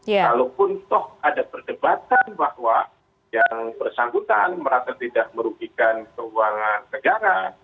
kalaupun toh ada perdebatan bahwa yang bersangkutan merasa tidak merugikan keuangan negara